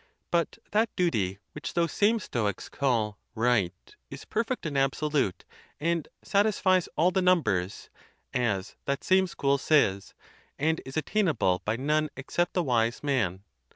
But that duty which those same Stoics call right" is perfect and absolute and satisfies all the numbers," ^ as that same school says, and is attainable 1 5 by none except the wise man.